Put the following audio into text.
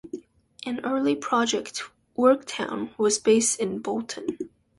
An early project, Worktown, was based in Bolton.